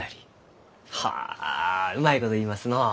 はあうまいこと言いますのう。